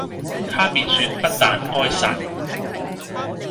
他便説不但該殺，